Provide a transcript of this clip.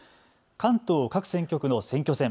関東各選挙区の選挙戦。